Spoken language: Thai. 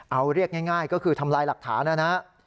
เอาเรียกง่ายก็คือทำลายหลักฐานนะครับ